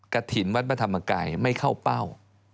กฐินวัฒนธรรมไกรไม่เข้าเป้า